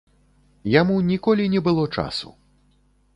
Яму ніколі не было часу.